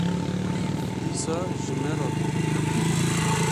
dîsa ji me re digotin